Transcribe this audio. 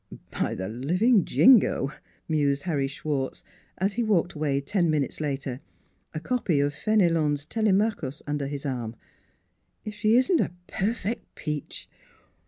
By the living Jingo !" mused Harry Schwartz, as he walked away ten minutes later, a copy of Fenelon's Telemachus under his arm, " if she isn't a perfect peach